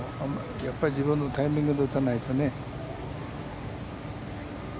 やっぱり自分のタイミングで打たないとね。